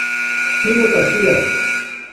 Kino Táchira